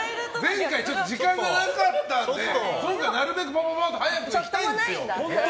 前回時間がなかったので今回はなるべく早くいきたいんですよ。